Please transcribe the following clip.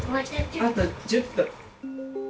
あと１０分。